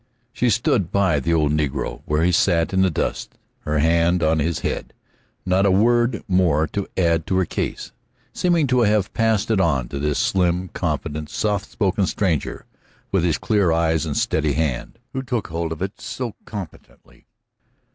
She stood by the old negro where he sat in the dust, her hand on his head, not a word more to add to her case, seeming to have passed it on to this slim, confident, soft spoken stranger with his clear eyes and steady hand, who took hold of it so competently.